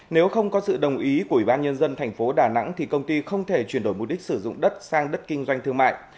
nếu không có sự đồng ý của ủy ban nhân dân thành phố đà nẵng thì công ty không thể chuyển đổi mục đích sử dụng đất sang đất kinh doanh thương mại